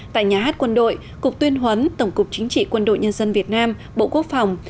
tại nhà hát quân đội cục tuyên huấn tổng cục chính trị quân đội nhân dân việt nam bộ quốc phòng